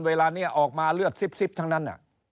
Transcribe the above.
เวลานี้ออกมาเลือดซิบทั้งนั้น